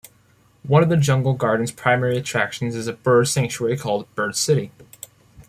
One of Jungle Gardens' primary attractions is a bird sanctuary called Bird City.